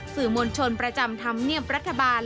สื่อมวลชนประจำธรรมเนียบรัฐบาล